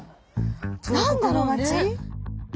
何だろうね。